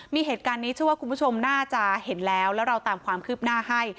มีเหตุการณ์นี้เชื่อว่าคุณผู้ชมน่าจะเห็นแล้วแล้วเราตามความคืบหน้าให้